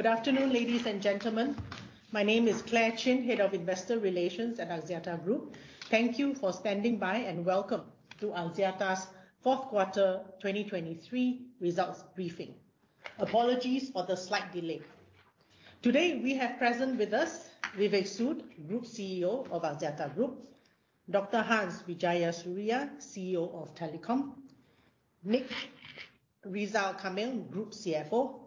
Good afternoon, ladies and gentlemen. My name is Clare Chin, Head of Investor Relations at Axiata Group. Thank you for standing by and welcome to Axiata's fourth quarter 2023 results briefing. Apologies for the slight delay. Today we have present with us Vivek Sood, Group CEO of Axiata Group; Dr. Hans Wijayasuriya, CEO of Telecom; Nik Rizal Kamil, Group CFO;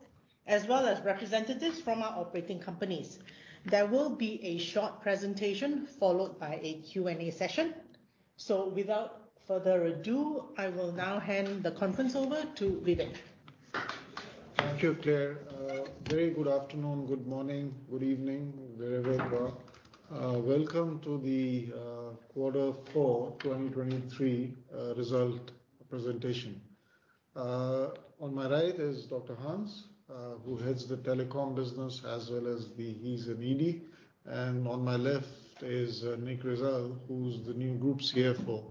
as well as representatives from our operating companies. There will be a short presentation followed by a Q&A session. So without further ado, I will now hand the conference over to Vivek. Thank you, Clare. Very good afternoon, good morning, good evening, wherever you are. Welcome to the quarter four 2023 result presentation. On my right is Dr. Hans, who heads the telecom business as well as the HES and HED, and on my left is Nik Rizal, who's the new Group CFO,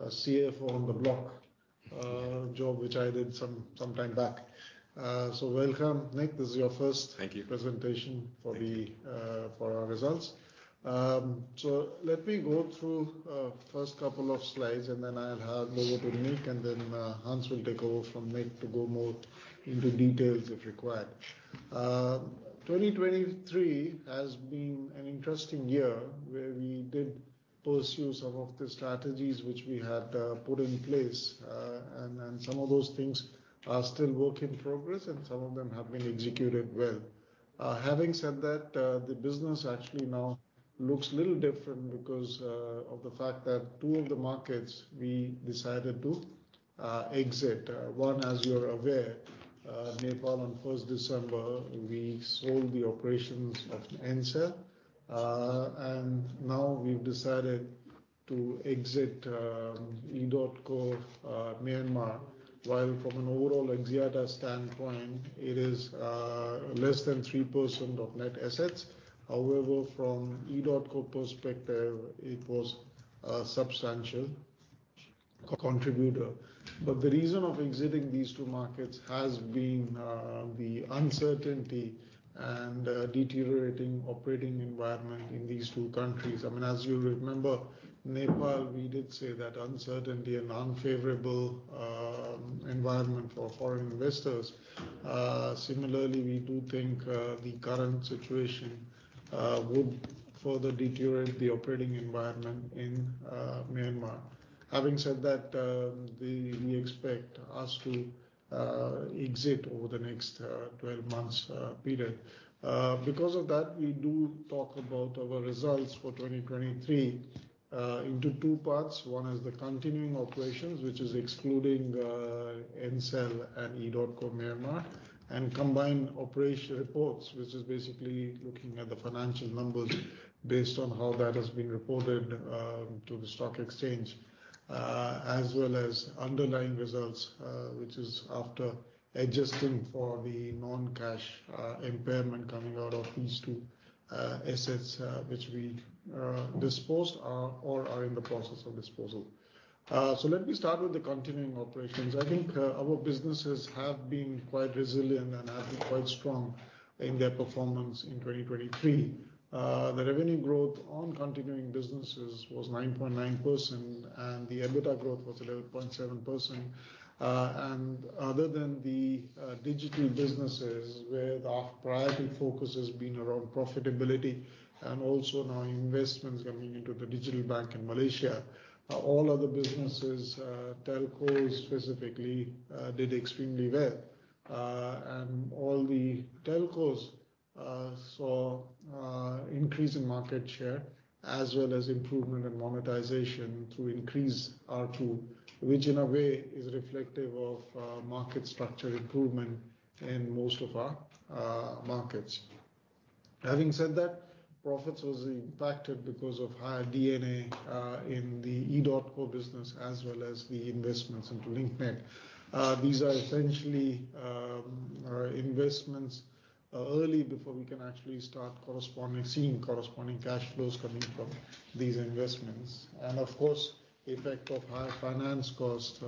CFO on the block, job which I did some time back. Welcome, Nik. This is your first Thank you. Presentation for the, for our results. Let me go through first couple of slides, and then I'll hand over to Nik, and then Hans will take over from Nik to go more into details if required. 2023 has been an interesting year where we did pursue some of the strategies which we had put in place, and some of those things are still work in progress, and some of them have been executed well. Having said that, the business actually now looks a little different because of the fact that two of the markets we decided to exit. One, as you're aware, Nepal on 1st December, we sold the operations of Ncell, and now we've decided to exit EDOTCO Myanmar, while from an overall Axiata standpoint, it is less than 3% of net assets. However, from EDOTCO perspective, it was a substantial co-contributor. But the reason of exiting these two markets has been the uncertainty and deteriorating operating environment in these two countries. I mean, as you'll remember, Nepal, we did say that uncertainty and unfavorable environment for foreign investors. Similarly, we do think the current situation would further deteriorate the operating environment in Myanmar. Having said that, we expect us to exit over the next 12 months period. Because of that, we do talk about our results for 2023 into two parts. One is the continuing operations, which is excluding Ncell and EDOTCO Myanmar, and combined operation reports, which is basically looking at the financial numbers based on how that has been reported to the stock exchange, as well as underlying results, which is after adjusting for the non-cash impairment coming out of these two assets, which we disposed are or are in the process of disposal. So let me start with the continuing operations. I think, our businesses have been quite resilient and have been quite strong in their performance in 2023. The revenue growth on continuing businesses was 9.9%, and the EBITDA growth was 11.7%. Other than the, digital businesses where the priority focus has been around profitability and also now investments coming into the digital bank in Malaysia, all other businesses, telcos specifically, did extremely well. And all the telcos, saw, increase in market share as well as improvement in monetization through increased ARPU, which in a way is reflective of, market structure improvement in most of our, markets. Having said that, profits were impacted because of higher DNA, in the EDOTCO business as well as the investments into Link Net. These are essentially, investments, early before we can actually start corresponding seeing corresponding cash flows coming from these investments. And of course, [the] effect of high finance cost,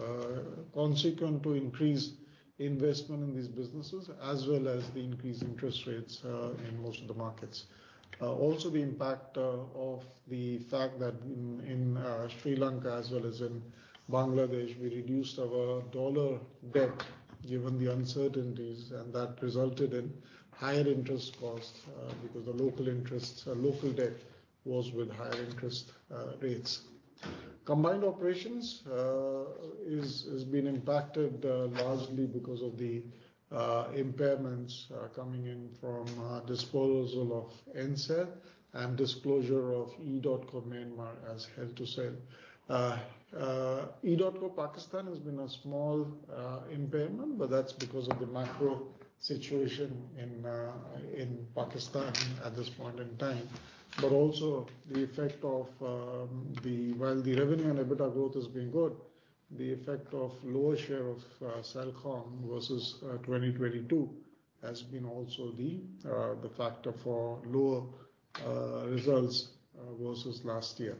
consequent to increased investment in these businesses as well as the increased interest rates in most of the markets. Also, the impact of the fact that in Sri Lanka as well as in Bangladesh, we reduced our dollar debt given the uncertainties, and that resulted in higher interest costs because the local interest local debt was with higher interest rates. Combined operations is been impacted, largely because of the impairments coming in from disposal of Ncell and disclosure of EDOTCO Myanmar as held for sale. EDOTCO Pakistan has been a small impairment, but that's because of the macro situation in Pakistan at this point in time. But also the effect of the, while the revenue and EBITDA growth has been good, the effect of lower share of CelcomDigi versus 2022 has been also the factor for lower results versus last year.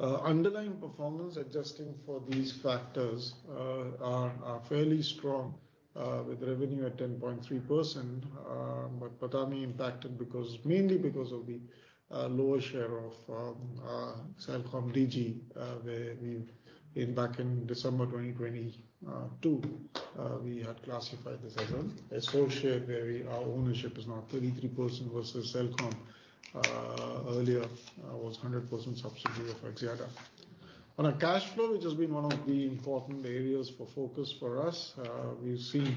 Underlying performance adjusting for these factors are fairly strong, with revenue at 10.3%, but PATAMI impacted because mainly because of the lower share of CelcomDigi, where we, back in December 2022, we had classified this as an associate where our ownership is now 33% versus CelcomDigi earlier was 100% subsidiary of Axiata. On a cash flow, which has been one of the important areas for focus for us, we've seen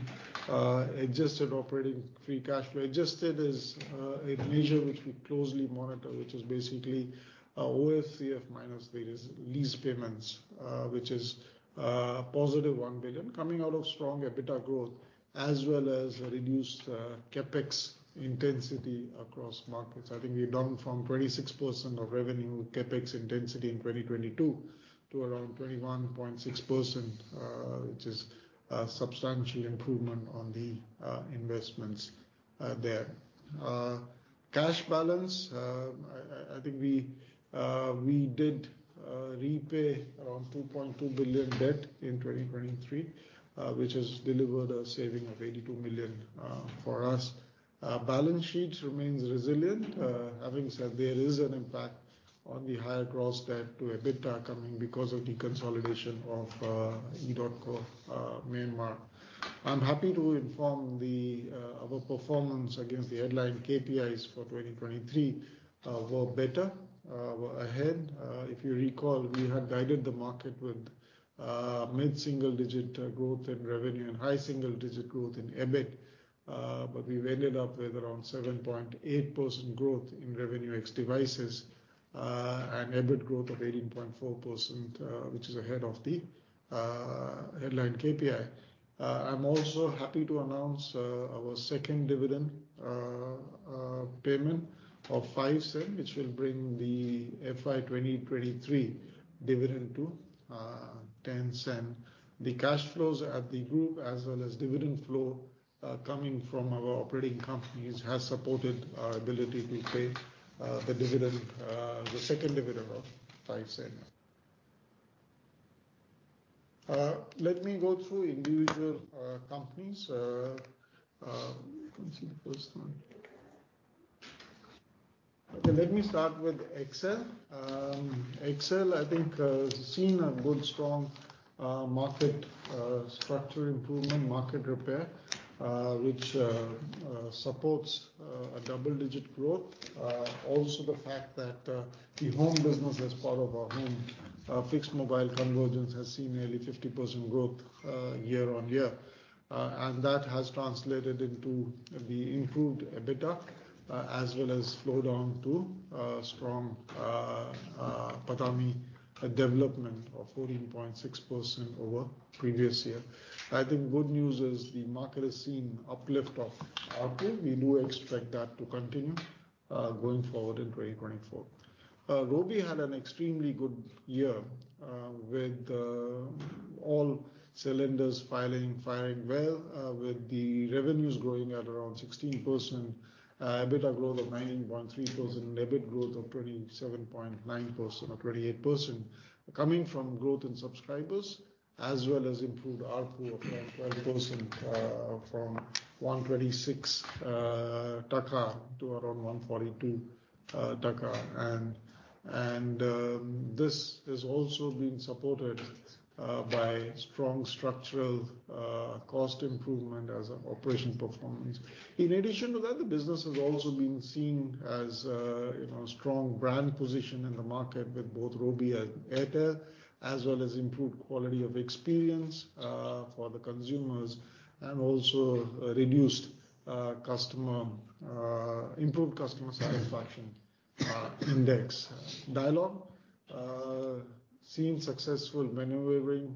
adjusted operating free cash flow. Adjusted is a measure which we closely monitor, which is basically OFCF minus the lease payments, which is positive 1 billion coming out of strong EBITDA growth as well as reduced CapEx intensity across markets. I think we done from 26% of revenue CapEx intensity in 2022 to around 21.6%, which is a substantial improvement on the investments there. Cash balance, I think we did repay around 2.2 billion debt in 2023, which has delivered a saving of 82 million for us. Balance sheet remains resilient. Having said, there is an impact on the higher gross debt to EBITDA coming because of deconsolidation of EDOTCO Myanmar. I'm happy to inform our performance against the headline KPIs for 2023 were better, ahead. If you recall, we had guided the market with mid-single digit growth in revenue and high-single digit growth in EBIT, but we've ended up with around 7.8% growth in revenue ex-devices, and EBIT growth of 18.4%, which is ahead of the headline KPI. I'm also happy to announce our second dividend payment of 0.05, which will bring the FY 2023 dividend to 0.10. The cash flows at the group as well as dividend flow coming from our operating companies has supported our ability to pay the dividend, the second dividend of 0.05. Let me go through individual companies. Let me see the first one. Okay, let me start with XL. XL, I think, has seen a good strong market structure improvement, market repair, which supports a double-digit growth. Also the fact that the home business as part of our home fixed-mobile convergence has seen nearly 50% growth year-on-year. And that has translated into the improved EBITDA as well as slowdown to strong PATAMI development of 14.6% over previous year. I think good news is the market has seen uplift of ARPU. We do expect that to continue, going forward in 2024. Robi had an extremely good year, with all cylinders firing well, with the revenues growing at around 16%, EBITDA growth of 19.3%, EBIT growth of 27.9%-28% coming from growth in subscribers as well as improved ARPU of around 12%, from BDT 126 to around BDT 142. This has also been supported by strong structural cost improvement as operational performance. In addition to that, the business has also been seen as, you know, a strong brand position in the market with both Robi and Airtel as well as improved quality of experience for the consumers and also a reduced customer improved customer satisfaction index. Dialog seen successful maneuvering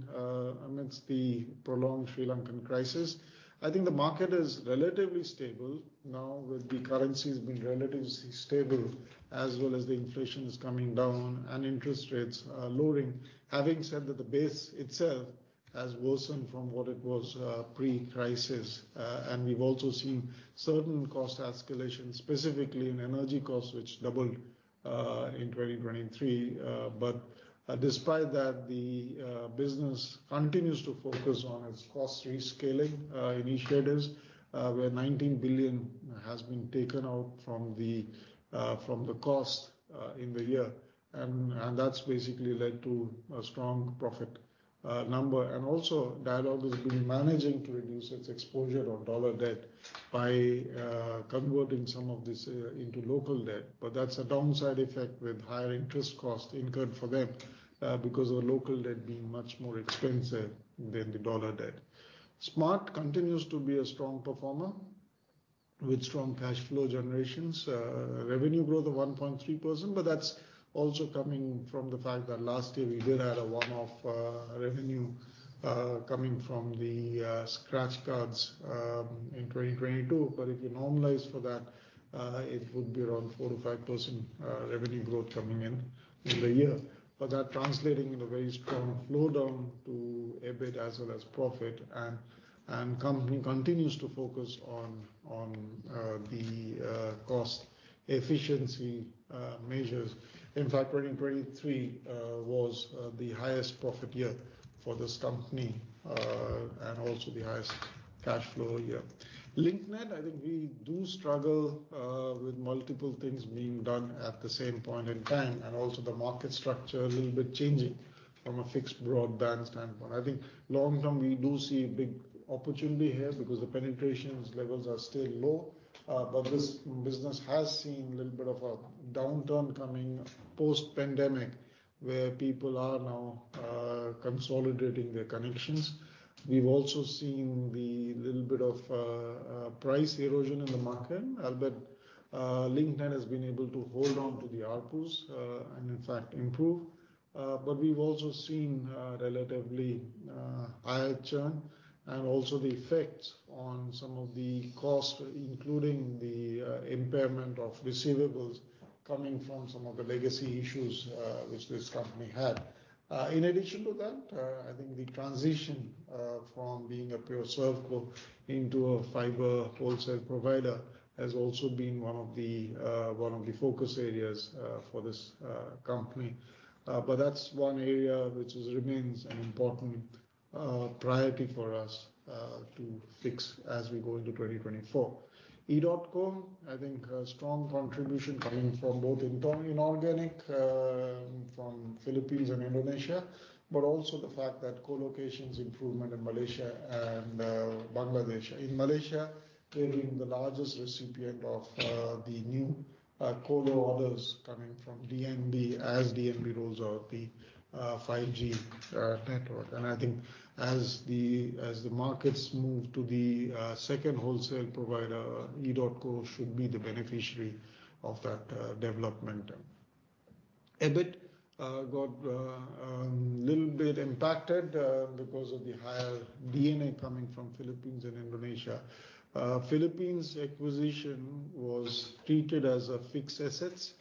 amidst the prolonged Sri Lankan crisis. I think the market is relatively stable now with the currency having been relatively stable as well as the inflation is coming down and interest rates lowering. Having said that, the base itself has worsened from what it was pre-crisis, and we've also seen certain cost escalation, specifically in energy costs, which doubled in 2023. Despite that, the business continues to focus on its cost rescaling initiatives, where LKR 19 billion has been taken out from the cost in the year. That's basically led to a strong profit number. Also Dialog has been managing to reduce its exposure on dollar debt by converting some of this into local debt. That's a downside effect with higher interest cost incurred for them, because of local debt being much more expensive than the dollar debt. Smart continues to be a strong performer with strong cash flow generations, revenue growth of 1.3%, but that's also coming from the fact that last year we did have a one-off revenue coming from the scratch cards in 2022. But if you normalize for that, it would be around 4% to 5% revenue growth coming in in the year. But that translating in a very strong slowdown to EBIT as well as profit. And the company continues to focus on the cost efficiency measures. In fact, 2023 was the highest profit year for this company, and also the highest cash flow year. Link Net, I think we do struggle with multiple things being done at the same point in time and also the market structure a little bit changing from a fixed broadband standpoint. I think long-term we do see big opportunity here because the penetration levels are still low, but this business has seen a little bit of a downturn coming post-pandemic where people are now consolidating their connections. We've also seen the little bit of price erosion in the market, albeit Link Net has been able to hold on to the ARPUs, and in fact improve. But we've also seen relatively higher churn and also the effects on some of the cost, including the impairment of receivables coming from some of the legacy issues which this company had. In addition to that, I think the transition from being a pure ServCo into a fiber wholesale provider has also been one of the one of the focus areas for this company. But that's one area which remains an important priority for us to fix as we go into 2024. EDOTCO, I think, strong contribution coming from both inorganic, from Philippines and Indonesia, but also the fact that colocations improvement in Malaysia and Bangladesh. In Malaysia, they're being the largest recipient of the new colo orders coming from DNB as DNB rolls out the 5G network. And I think as the markets move to the second wholesale provider, EDOTCO should be the beneficiary of that development. EBIT got little bit impacted because of the higher D&A coming from Philippines and Indonesia. Philippines acquisition was treated as a fixed assets,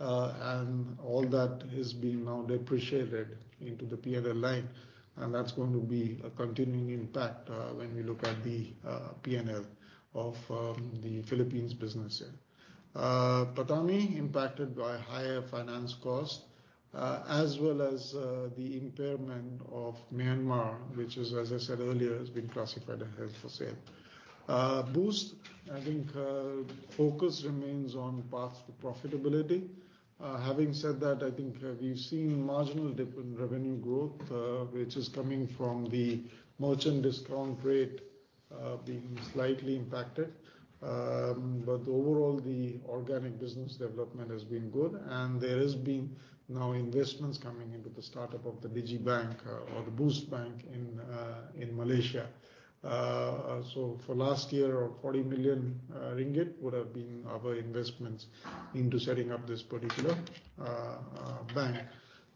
and all that has been now depreciated into the P&L line. And that's going to be a continuing impact when we look at the P&L of the Philippines business here. PATAMI impacted by higher finance cost, as well as the impairment of Myanmar, which is, as I said earlier, has been classified as held for sale. Boost, I think, focus remains on paths to profitability. Having said that, I think, we've seen marginal dip in revenue growth, which is coming from the merchant discount rate, being slightly impacted. But overall, the organic business development has been good, and there has been now investments coming into the startup of the digital bank, or the Boost Bank in, in Malaysia. So for last year, around 40 million ringgit would have been our investments into setting up this particular, bank.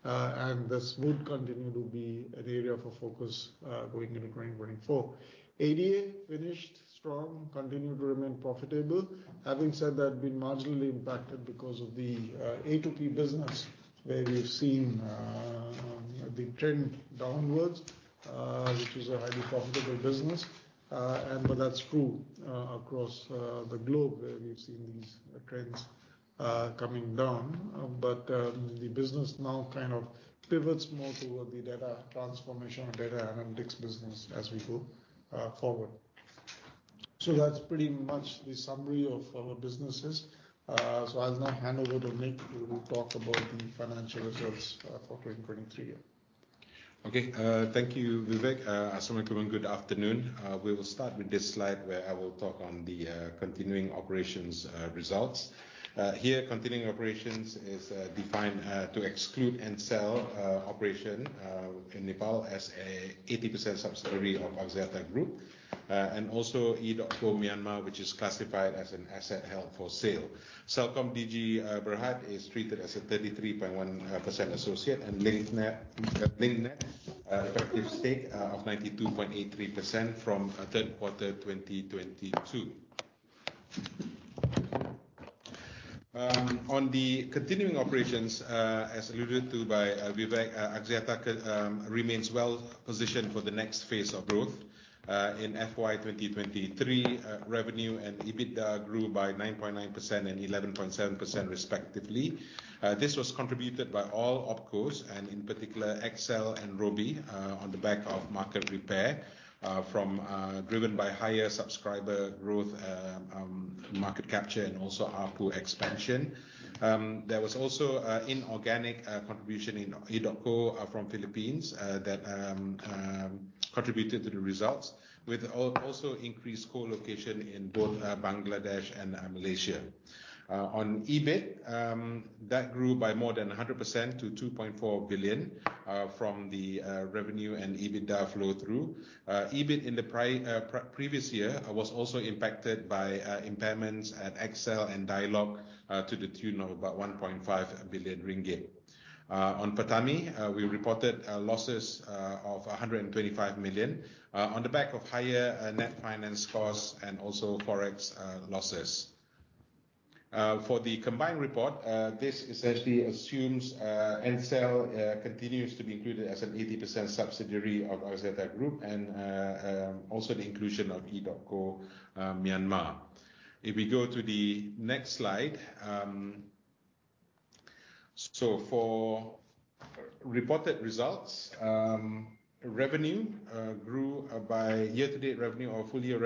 And this would continue to be an area for focus, going into 2024. ADA finished strong, continued to remain profitable. Having said that, been marginally impacted because of the, A2P business where we've seen, the trend downwards, which is a highly profitable business. And but that's true, across, the globe where we've seen these trends, coming down. But the business now kind of pivots more toward the data transformation or data analytics business as we go forward. So that's pretty much the summary of our businesses. So I'll now hand over to Nik. He will talk about the financial results for 2023. Okay. Thank you, Vivek. Assalamualaikum, good afternoon. We will start with this slide where I will talk on the continuing operations results. Here, continuing operations is defined to exclude the disposal operation in Nepal as an 80% subsidiary of Axiata Group, and also EDOTCO Myanmar, which is classified as an asset held for sale. CelcomDigi Berhad is treated as a 33.1% associate and Link Net effective stake of 92.83% from third quarter 2022. On the continuing operations, as alluded to by Vivek, Axiata remains well positioned for the next phase of growth. In FY 2023, revenue and EBITDA grew by 9.9% and 11.7% respectively. This was contributed by all OpCos and in particular XL and Robi, on the back of market repair driven by higher subscriber growth, market capture and also ARPU expansion. There was also inorganic contribution in EDOTCO from Philippines that contributed to the results with also increased colocation in both Bangladesh and Malaysia. On EBIT, that grew by more than 100% to 2.4 billion from the revenue and EBITDA flow through. EBIT in the prior pre-previous year was also impacted by impairments at XL and Dialog to the tune of about 1.5 billion ringgit. On PATAMI, we reported losses of 125 million on the back of higher net finance costs and also forex losses. For the combined report, this essentially assumes Ncell continues to be included as an 80% subsidiary of Axiata Group and also the inclusion of EDOTCO Myanmar. If we go to the next slide, so for reported results, revenue grew 8.2% year-to-date or full-year,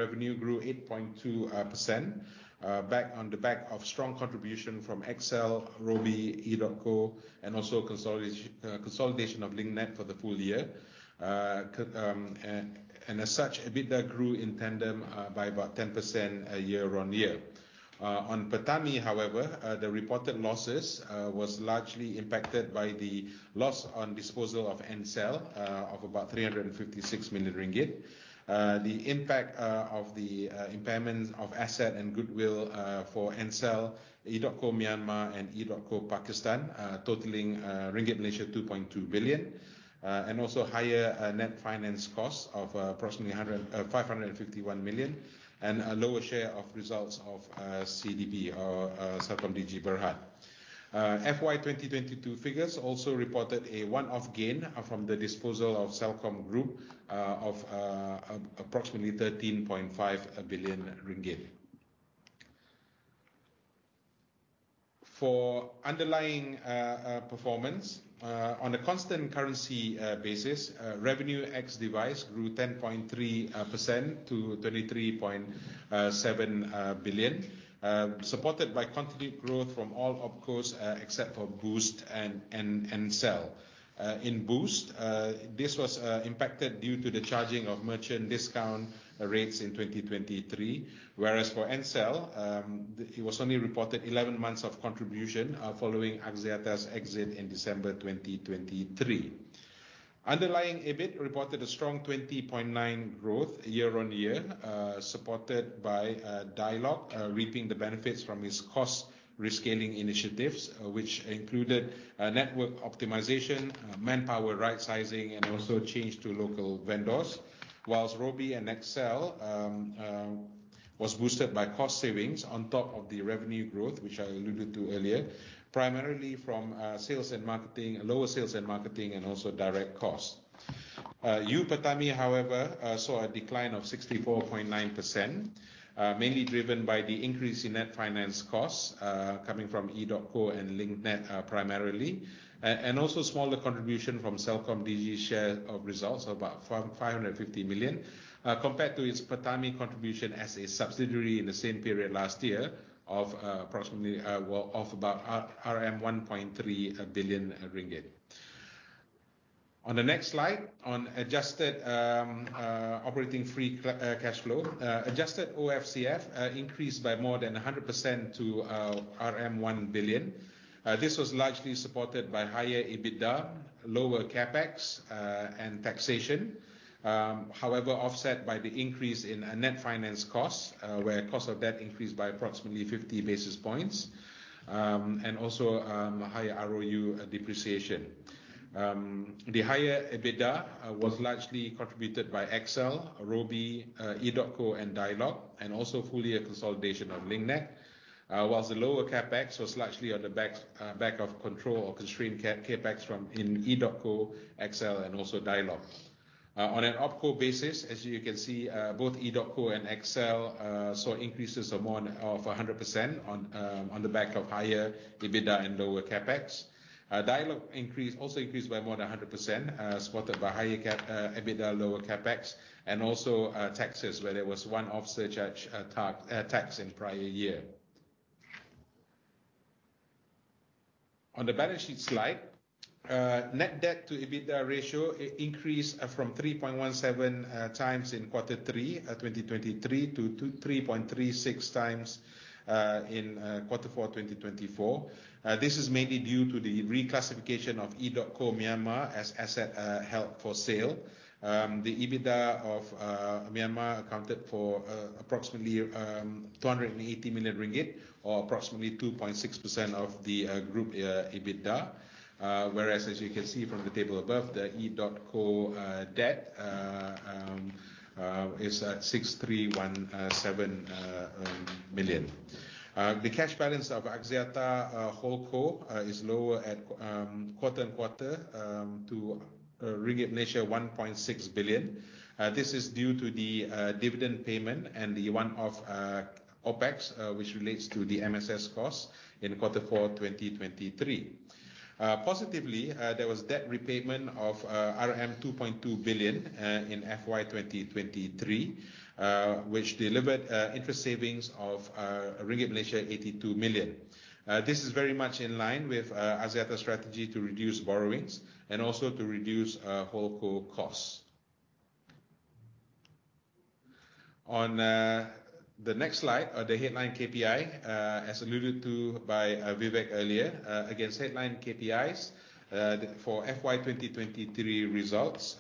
on the back of strong contribution from XL, Robi, EDOTCO, and also consolidation of Link Net for the full year. And as such, EBITDA grew in tandem by about 10% year-on-year. On PATAMI, however, the reported losses was largely impacted by the loss on disposal of Ncell of about 356 million ringgit, the impact of the impairments of assets and goodwill for Ncell, EDOTCO Myanmar and EDOTCO Pakistan, totaling 2.2 billion ringgit, and also higher net finance costs of approximately 551 million and a lower share of results of CelcomDigi Berhad. FY 2022 figures also reported a one-off gain from the disposal of Celcom Group of approximately MYR 13.5 billion. For underlying performance on a constant currency basis, revenue ex-device grew 10.3% to 23.7 billion, supported by continued growth from all OpCos except for Boost and Ncell. In Boost, this was impacted due to the charging of merchant discount rates in 2023, whereas for Ncell it was only reported 11 months of contribution following Axiata's exit in December 2023. Underlying EBIT reported a strong 20.9% growth year-on-year, supported by Dialog reaping the benefits from its cost rescaling initiatives, which included network optimization, manpower right-sizing, and also change to local vendors, whilst Robi and XL was boosted by cost savings on top of the revenue growth, which I alluded to earlier, primarily from sales and marketing, lower sales and marketing, and also direct costs. UPATAMI, however, saw a decline of 64.9%, mainly driven by the increase in net finance costs, coming from EDOTCO and Link Net, primarily, and also smaller contribution from CelcomDigi share of results of about 550 million, compared to its PATAMI contribution as a subsidiary in the same period last year of, approximately, well, of about 1.3 billion ringgit. On the next slide, on adjusted, operating free cash flow, adjusted OFCF, increased by more than 100% to, 1 billion ringgit. This was largely supported by higher EBITDA, lower CapEx, and taxation, however, offset by the increase in net finance costs, where cost of debt increased by approximately 50 basis points, and also, higher ROU depreciation. The higher EBITDA was largely contributed by XL, Robi, EDOTCO, and Dialog, and also full-year consolidation of Link Net, whilst the lower CapEx was largely on the back of control or constrained CapEx from in EDOTCO, XL, and also Dialog. On an OpCo basis, as you can see, both EDOTCO and XL saw increases of more than 100% on the back of higher EBITDA and lower CapEx. Dialog increased by more than 100%, supported by higher EBITDA, lower CapEx, and also taxes where there was one offset charge, tax in prior-year. On the balance sheet slide, net debt-to-EBITDA ratio increased from 3.17x in quarter three 2023 to 3.36x in quarter four 2024. This is mainly due to the reclassification of EDOTCO Myanmar as asset held for sale. The EBITDA of Myanmar accounted for approximately 280 million ringgit or approximately 2.6% of the group EBITDA, whereas as you can see from the table above, the EDOTCO debt is at 631.7 million. The cash balance of Axiata WholeCo is lower quarter-on-quarter to 1.6 billion ringgit. This is due to the dividend payment and the one-off OpEx, which relates to the MSS costs in quarter four 2023. Positively, there was debt repayment of MYR 2.2 billion in FY 2023, which delivered interest savings of 82 million ringgit. This is very much in line with Axiata's strategy to reduce borrowings and also to reduce WholeCo costs. On the next slide, the headline KPI, as alluded to by Vivek earlier, against headline KPIs, for FY 2023 results,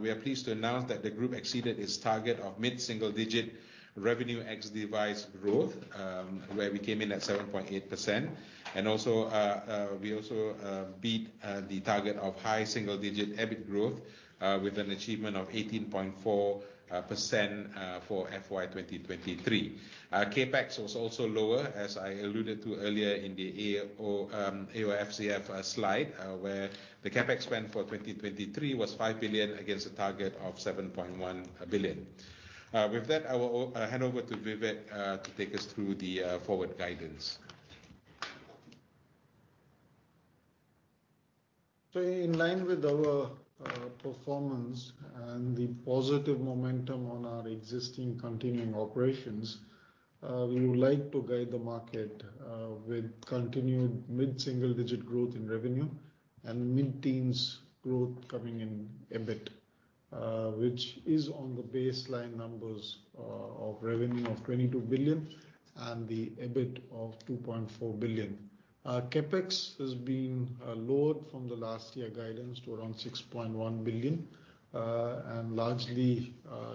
we are pleased to announce that the group exceeded its target of mid-single digit revenue ex-device growth, where we came in at 7.8%. And also, we also beat the target of high-single digit EBIT growth, with an achievement of 18.4%, for FY 2023. CapEx was also lower, as I alluded to earlier in the OFCF slide, where the CapEx spend for 2023 was 5 billion against a target of 7.1 billion. With that, I will hand over to Vivek to take us through the forward guidance. So in line with our performance and the positive momentum on our existing continuing operations, we would like to guide the market with continued mid-single digit growth in revenue and mid-teens growth coming in EBIT, which is on the baseline numbers of revenue of 22 billion and the EBIT of 2.4 billion. CapEx has been lowered from the last year guidance to around 6.1 billion, and largely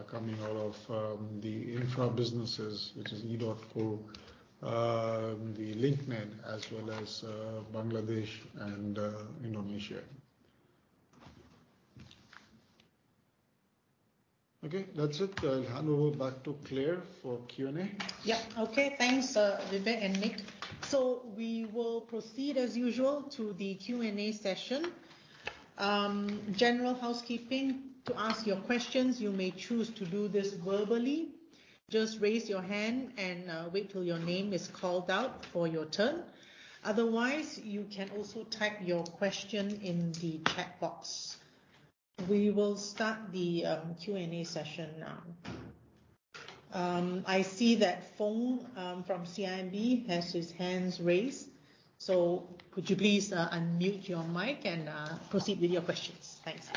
coming out of the infra businesses, which is EDOTCO, the Link Net, as well as Bangladesh and Indonesia. Okay. That's it. I'll hand over back to Clare for Q&A. Yep. Okay. Thanks, Vivek and Nik. So we will proceed as usual to the Q&A session. General housekeeping, to ask your questions, you may choose to do this verbally. Just raise your hand and wait till your name is called out for your turn. Otherwise, you can also type your question in the chat box. We will start the Q&A session now. I see that Foong from CIMB has his hands raised. So could you please unmute your mic and proceed with your questions? Thanks.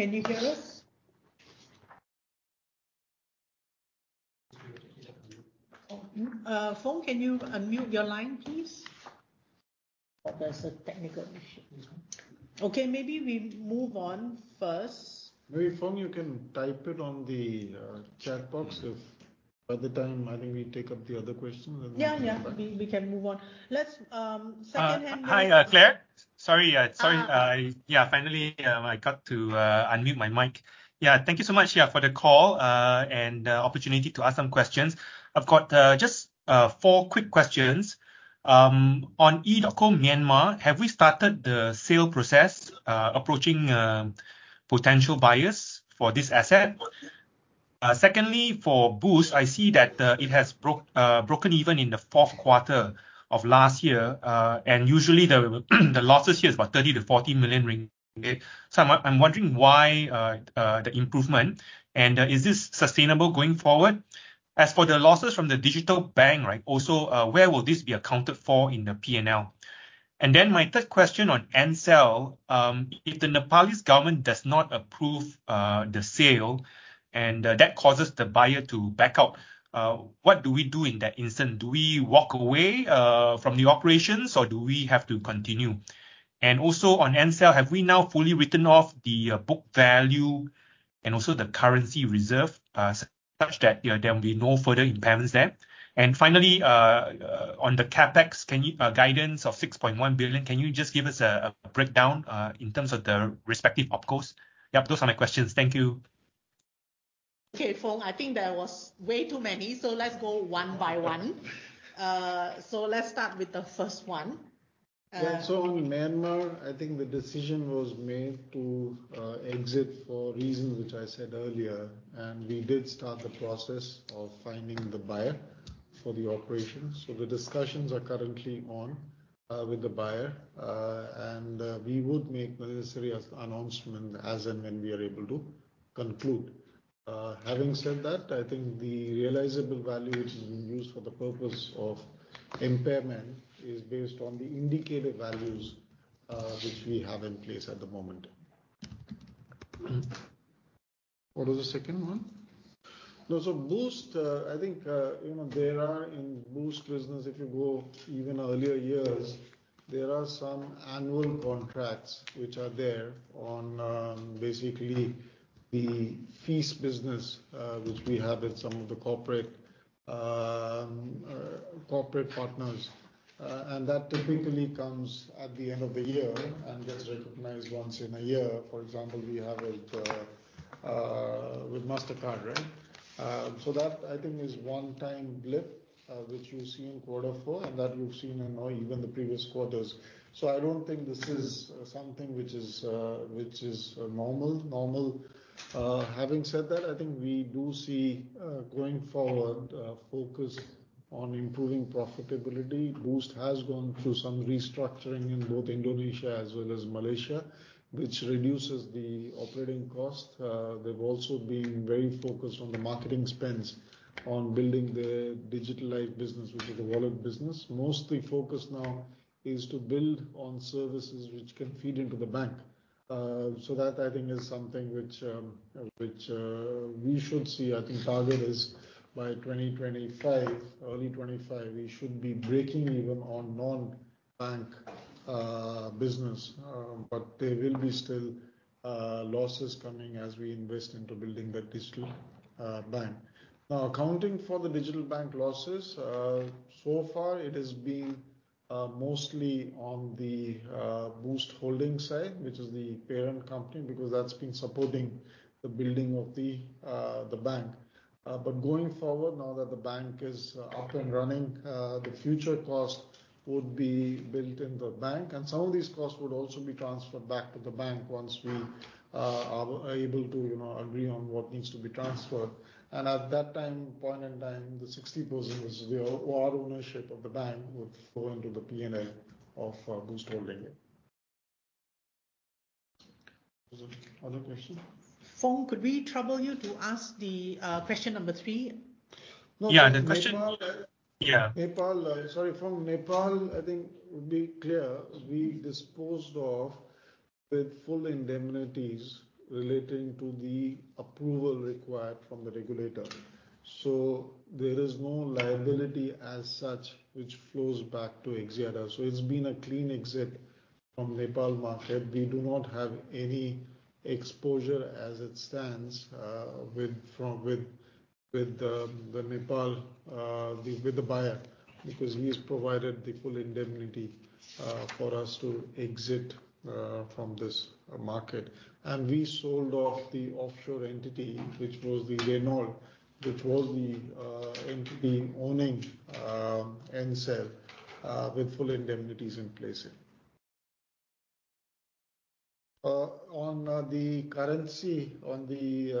Foong, can you hear us? Foong, can you unmute your line, please? There's a technical issue. Okay. Maybe we move on first. Maybe, Foong, you can type it on the chat box if by the time I think we take up the other questions and then. Yeah. Yeah. We can move on. Let's secondhand. Hi, Clare. Sorry. Yeah. Finally, I got to unmute my mic. Yeah. Thank you so much, yeah, for the call and the opportunity to ask some questions. I've got just four quick questions. On EDOTCO Myanmar, have we started the sale process approaching potential buyers for this asset? Secondly, for Boost, I see that it has broken even in the fourth quarter of last year. And usually, the losses here is about 30 million to 40 million ringgit. So I'm wondering why the improvement. And is this sustainable going forward? As for the losses from the digital bank, right, also, where will this be accounted for in the P&L? And then my third question on Ncell, if the Nepal's government does not approve the sale and that causes the buyer to back out, what do we do in that instance? Do we walk away from the operations or do we have to continue? And also on Ncell, have we now fully written off the book value and also the currency reserve, such that yeah, there will be no further impairments there? And finally, on the CapEx, can you guidance of 6.1 billion, can you just give us a breakdown in terms of the respective OpCos? Yep. Those are my questions. Thank you. Okay. Foong, I think there was way too many. So let's go one by one. So let's start with the first one. Yeah. So on Myanmar, I think the decision was made to exit for reasons which I said earlier. And we did start the process of finding the buyer for the operation. So the discussions are currently on with the buyer, and we would make necessary announcements as and when we are able to conclude. Having said that, I think the realizable value which will be used for the purpose of impairment is based on the indicative values which we have in place at the moment. What was the second one? No, so Boost, I think, you know, there are in Boost business, if you go even earlier years, there are some annual contracts which are there on basically the fees business, which we have with some of the corporate, corporate partners. And that typically comes at the end of the year and gets recognized once in a year. For example, we have it with Mastercard, right? So that, I think, is one-time blip, which you see in quarter four and that you've seen in, oh, even the previous quarters. So I don't think this is something which is normal. Having said that, I think we do see, going forward, focus on improving profitability. Boost has gone through some restructuring in both Indonesia as well as Malaysia, which reduces the operating cost. They've also been very focused on the marketing spends on building their digitalized business, which is a wallet business. Mostly focused now is to build on services which can feed into the bank. So that, I think, is something which we should see. I think target is by 2025, early 2025, we should be breaking even on non-bank business. But there will be still losses coming as we invest into building that digital bank. Now, accounting for the digital bank losses, so far, it has been mostly on the Boost Holding side, which is the parent company, because that's been supporting the building of the bank. But going forward, now that the bank is up and running, the future cost would be built in the bank. And some of these costs would also be transferred back to the bank once we are able to, you know, agree on what needs to be transferred. And at that time, point in time, the 60% of the ownership of the bank would go into the P&L of Boost Holding it. Was there other questions? Foong, could we trouble you to ask the question number three? Yeah. The question? Yeah. Nepal, sorry. From Nepal, I think it would be clear we disposed of with full indemnities relating to the approval required from the regulator. So there is no liability as such which flows back to Axiata. So it's been a clean exit from Nepal market. We do not have any exposure as it stands with the buyer, because he's provided the full indemnity for us to exit from this market. And we sold off the offshore entity, which was the Reynolds, which was the entity owning Ncell with full indemnities in place here. On the currency, on the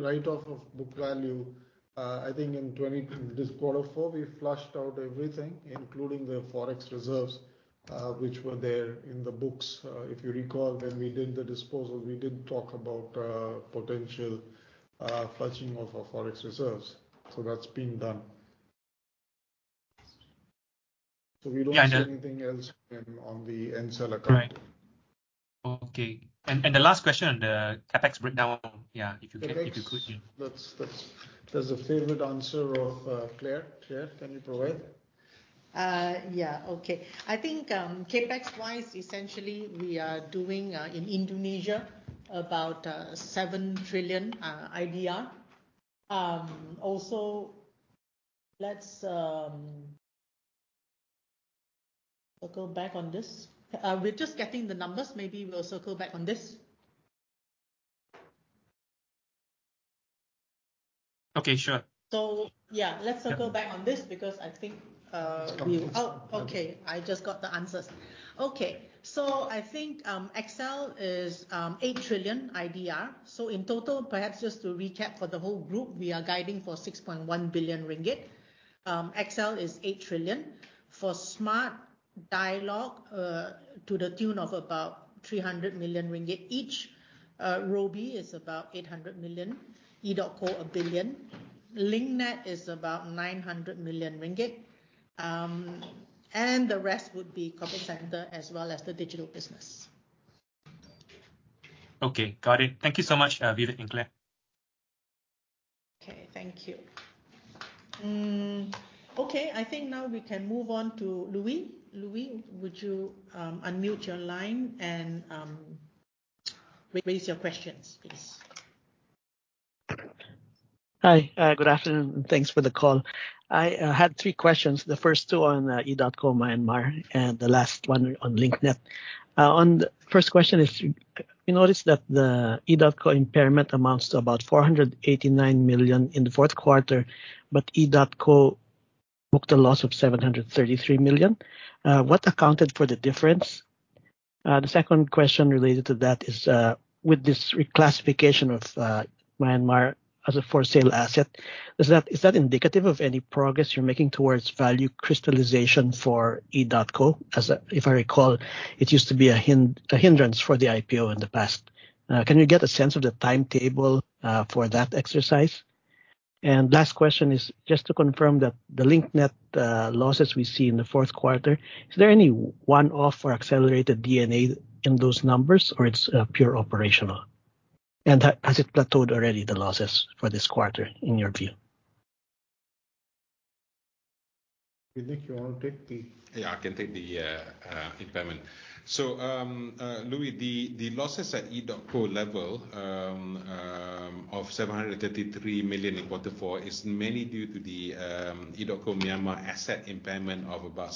write-off of book value, I think in quarter four 2023, we flushed out everything, including the forex reserves, which were there in the books. If you recall, when we did the disposal, we did talk about potential flushing of our forex reserves. That's been done. We don't see anything else on the Ncell account. Right. Okay. And the last question, the CapEx breakdown, yeah, if you can, if you could? Okay. Let's, there's a favorite answer of Clare. Clare, can you provide? Yeah. Okay. I think, CapEx-wise, essentially, we are doing, in Indonesia, about 7 trillion IDR. Also, let's circle back on this. We're just getting the numbers. Maybe we'll circle back on this. Okay. Sure. So yeah. Let's circle back on this because I think, well, oh, okay. I just got the answers. Okay. So I think, XL is 8 trillion IDR. So in total, perhaps just to recap for the whole group, we are guiding for 6.1 billion ringgit. XL is 8 trillion. For Smart, Dialog, to the tune of about 300 million ringgit each, Robi is about 800 million, EDOTCO 1 billion, Link Net is about 900 million ringgit. And the rest would be corporate center as well as the digital business. Okay. Got it. Thank you so much, Vivek and Clare. Okay. Thank you. Okay. I think now we can move on to [Lui]. [Lui], would you unmute your line and raise your questions, please? Hi. Good afternoon and thanks for the call. I had three questions. The first two on EDOTCO Myanmar and the last one on Link Net. On the first question is, we noticed that the EDOTCO impairment amounts to about 489 million in the fourth quarter, but EDOTCO booked a loss of 733 million. What accounted for the difference? The second question related to that is, with this reclassification of Myanmar as a for-sale asset, is that is that indicative of any progress you're making towards value crystallization for EDOTCO? As if I recall, it used to be a hindrance for the IPO in the past. Can you get a sense of the timetable for that exercise? And last question is, just to confirm that the Link Net losses we see in the fourth quarter, is there any one-off or accelerated DNA in those numbers, or it's pure operational? Has it plateaued already, the losses, for this quarter, in your view? Nik, you want to take the? Yeah. I can take the impairment. So, [Lui], the losses at EDOTCO level of 733 million in quarter four is mainly due to the EDOTCO Myanmar asset impairment of about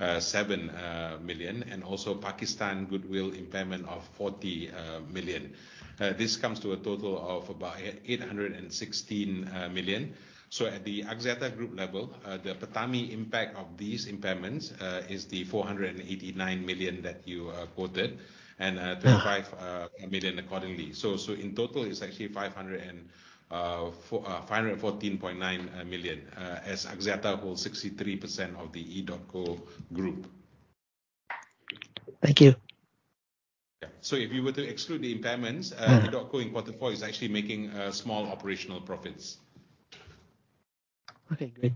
770.7 million and also Pakistan Goodwill impairment of 40 million. This comes to a total of about 816 million. So at the Axiata Group level, the PATAMI impact of these impairments is the 489 million that you quoted and 25 million accordingly. So in total, it's actually 514.9 million, as Axiata holds 63% of the EDOTCO group. Thank you. Yeah. So if you were to exclude the impairments, EDOTCO in quarter four is actually making a small operational profits. Okay. Great.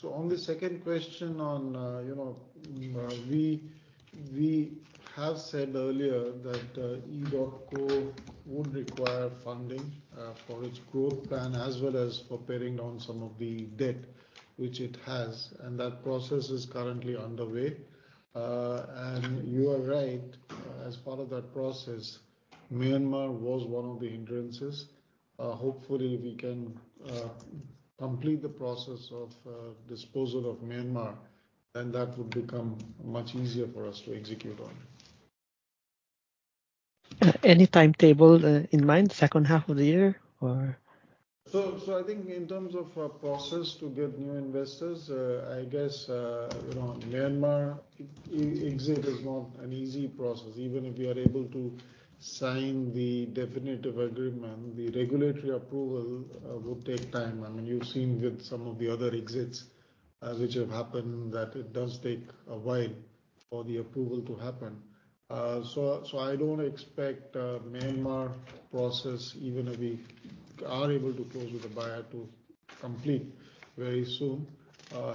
So on the second question on, you know, we have said earlier that, EDOTCO would require funding, for its growth plan as well as for paring down some of the debt, which it has. And that process is currently underway. And you are right. As part of that process, Myanmar was one of the hindrances. Hopefully, we can complete the process of disposal of Myanmar, then that would become much easier for us to execute on. Any timetable in mind, second half of the year or? So, I think in terms of a process to get new investors, I guess, you know, Myanmar exit is not an easy process. Even if we are able to sign the definitive agreement, the regulatory approval would take time. I mean, you've seen with some of the other exits, which have happened that it does take a while for the approval to happen. So, I don't expect the Myanmar process, even if we are able to close with a buyer, to complete very soon.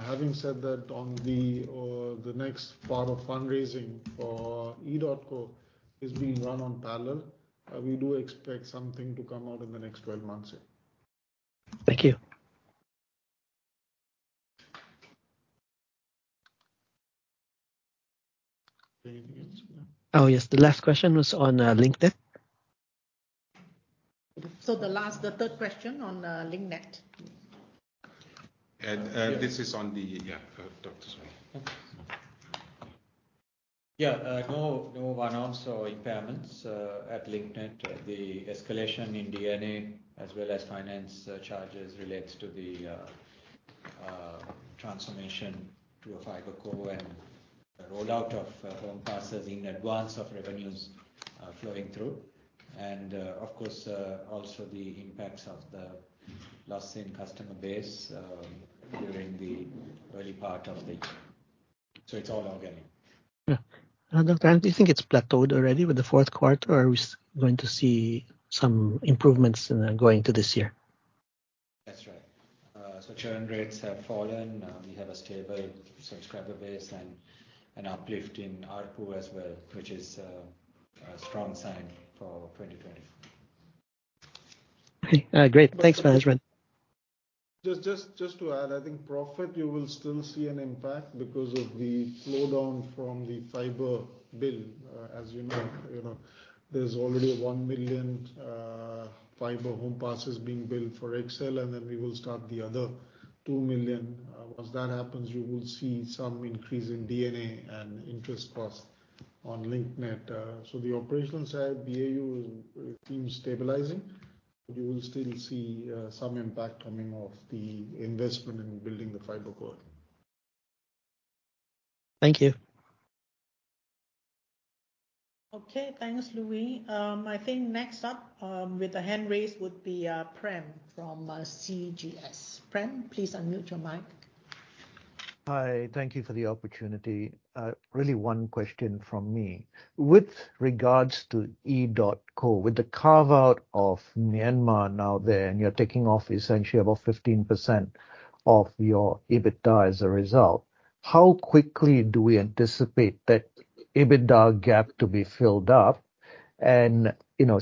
Having said that, the next part of fundraising for EDOTCO is being run in parallel; we do expect something to come out in the next 12 months here. Thank you. Anything else? Oh, yes. The last question was on Link Net. The third question on Link Net. This is on the, yeah. Dr. [Suriya]. Yeah. No, no. One answer: impairments at Link Net. The escalation in DNA as well as finance charges relates to the transformation to a fiber core and the rollout of Home Passes in advance of revenues flowing through. And, of course, also the impacts of the loss in customer base during the early part of the year. So it's all organic. Yeah. Dr. Hans, do you think it's plateaued already with the fourth quarter, or are we going to see some improvements, going into this year? That's right. Churn rates have fallen. We have a stable subscriber base and an uplift in ARPU as well, which is a strong sign for 2024. Okay. Great. Thanks, management. Just to add, I think profit, you will still see an impact because of the slowdown from the fiber bill. As you know, you know, there's already 1 million fiber home passes being billed for XL, and then we will start the other 2 million. Once that happens, you will see some increase in D&A and interest costs on Link Net. So the operational side, BAU, it seems stabilizing, but you will still see some impact coming off the investment in building the fiber core. Thank you. Okay. Thanks, [Lui]. I think next up, with a hand raised, would be Prem from CGS. Prem, please unmute your mic. Hi. Thank you for the opportunity. Really one question from me. With regards to EDOTCO, with the carve-out of Myanmar now there, and you're taking off essentially about 15% of your EBITDA as a result, how quickly do we anticipate that EBITDA gap to be filled up? And, you know,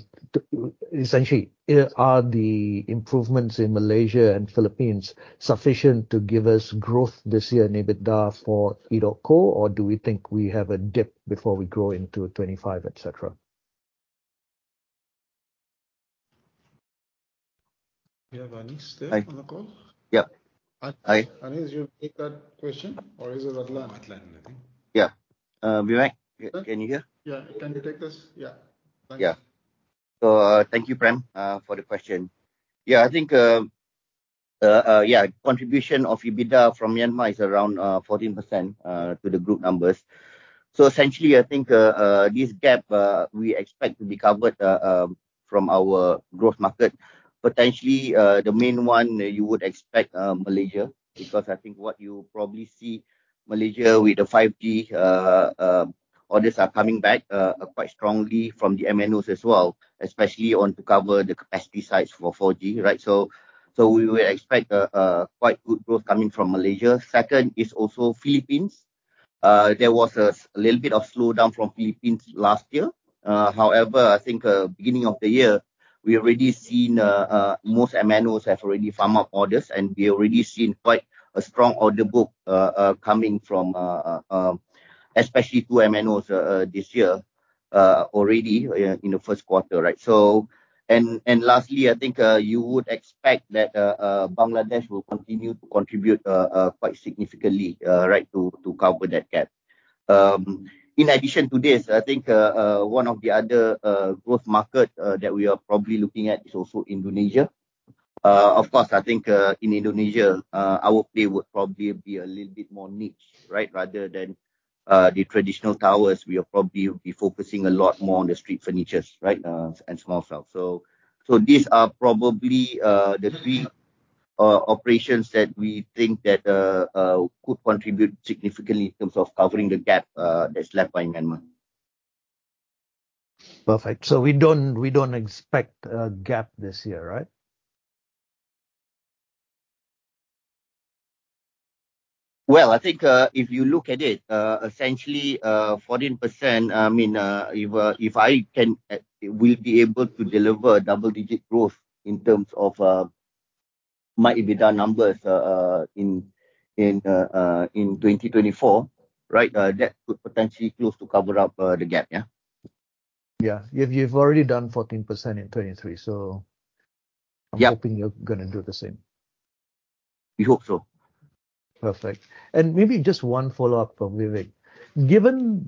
essentially, are the improvements in Malaysia and Philippines sufficient to give us growth this year in EBITDA for EDOTCO, or do we think we have a dip before we grow into 2025, etc.? Do you have Anis still on the call? Hi. Yep. Hi. Anis, you take that question, or is it Adlan? Adlan, I think. Yeah. Vivek, can you hear? Yeah. Can you take this? Yeah. Thank you. Yeah. So, thank you, Prem, for the question. Yeah. I think, yeah, contribution of EBITDA from Myanmar is around 14% to the group numbers. So essentially, I think, this gap, we expect to be covered from our growth market. Potentially, the main one you would expect, Malaysia, because I think what you probably see, Malaysia, with the 5G, orders are coming back quite strongly from the MNOs as well, especially on to cover the capacity sites for 4G, right? So, so we would expect quite good growth coming from Malaysia. Second is also Philippines. There was a little bit of slowdown from Philippines last year. However, I think, beginning of the year, we already seen most MNOs have already firm-up orders, and we already seen quite a strong order book coming from, especially two MNOs, this year, already in the first quarter, right? So, and lastly, I think you would expect that Bangladesh will continue to contribute quite significantly, right, to cover that gap. In addition to this, I think one of the other growth markets that we are probably looking at is also Indonesia. Of course, I think in Indonesia, our play would probably be a little bit more niche, right, rather than the traditional towers. We are probably be focusing a lot more on the street furnitures, right, and small sales. So, these are probably the three operations that we think that could contribute significantly in terms of covering the gap that's left by Myanmar. Perfect. So we don't expect a gap this year, right? Well, I think, if you look at it, essentially, 14%, I mean, if I can it will be able to deliver double-digit growth in terms of my EBITDA numbers, in 2024, right, that could potentially close to cover up the gap, yeah? Yeah. You've, you've already done 14% in 2023, so I'm hoping you're gonna do the same. We hope so. Perfect. And maybe just one follow-up from Vivek. Given